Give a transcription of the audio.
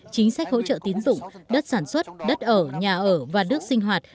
chính sách hỗ trợ tín dụng đất sản xuất đất ở nhà ở và nước sinh hoạt